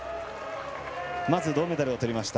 まず銅メダルをとりました